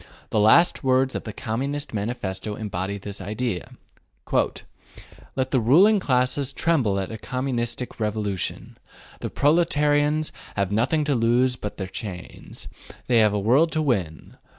The last words of the Communist Manifesto embody this idea Let the ruling classes tremble at a Communistic revolution. The proletarians have nothing to lose but their chains. They have a world to win.